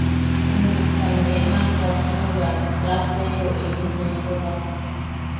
Juntuksan ne naaj kuakteo bea Lauteerio inim nee tojak.